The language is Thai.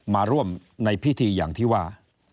มาร่วมในพิธีอย่างที่ว่า